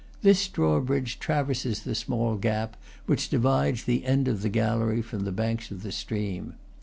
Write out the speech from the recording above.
This drawbridge traverses the small gap which divides the end of the gallery from the bank of the stream.